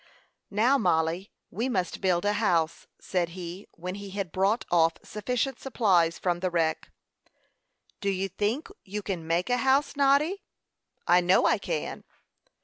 "Now, Mollie, we must build a house," said he, when he had brought off sufficient supplies from the wreck. "Do you think you can make a house, Noddy?" "I know I can."